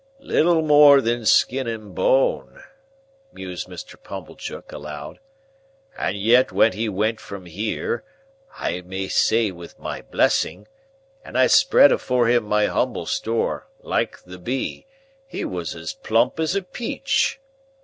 "Little more than skin and bone!" mused Mr. Pumblechook, aloud. "And yet when he went from here (I may say with my blessing), and I spread afore him my humble store, like the Bee, he was as plump as a Peach!"